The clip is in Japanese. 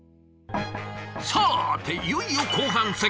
さていよいよ後半戦。